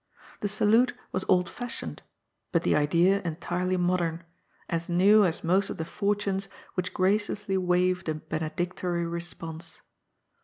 The salute was old fash ioned, but the idea entirely modem, as new as most of the fortunes which graciously waved a benedictory response.